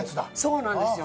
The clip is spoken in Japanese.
そうなんですよ。